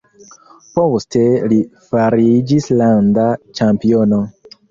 Poste li fariĝis landa ĉampiono.